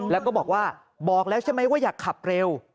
แล้วก็บอกว่าบอกแล้วใช่ไหมว่าอยากขับเร็ว